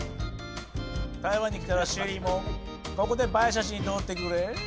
台湾に来たらＳＨＥＬＬＹもここで映え写真撮ってくれ。